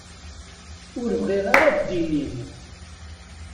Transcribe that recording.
Ur bɣiɣ ara ddin-im.